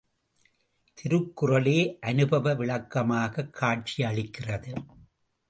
திருக்குறளே அனுபவ விளக்கமாகக் காட்சியளிக்கிறது.